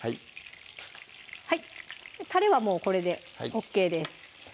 たれはもうこれでＯＫです